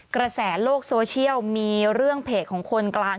กระแสโลกโซเชียลมีเรื่องเพจของคนกลาง